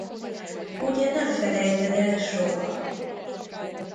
Ugye, nem felejted el soha?